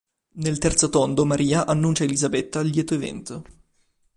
Nel terzo tondo Maria annuncia a Elisabetta il lieto evento.